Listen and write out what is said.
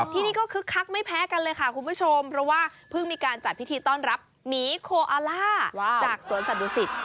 ที่นี่ก็คึกคักไม่แพ้กันเลยค่ะคุณผู้ชมเพราะว่าเพิ่งมีการจัดพิธีต้อนรับหมีโคอาล่าจากสวนสัตุศิษฐ